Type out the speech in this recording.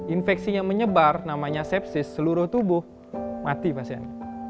infeksi yang menyebar namanya sepsis seluruh tubuh mati pasien